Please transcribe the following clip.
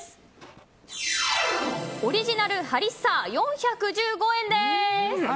オリジナルハリッサ４１５円です。